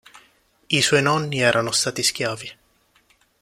I suoi nonni erano stati schiavi.